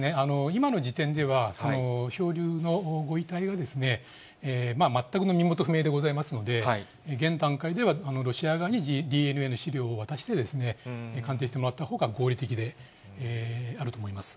今の時点では、漂流のご遺体は、全くの身元不明でございますので、現段階ではロシア側にＤＮＡの資料を渡して、鑑定してもらったほうが合理的であると思います。